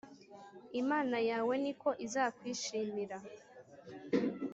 imana yawe ni ko izakwishimira.